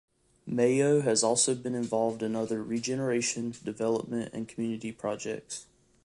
Mayo has also been involved in other regeneration, development and community projects.